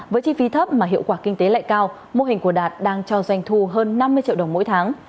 với chi phí thấp mà hiệu quả kinh tế lại cao mô hình của đạt đang cho doanh thu hơn năm mươi triệu đồng mỗi tháng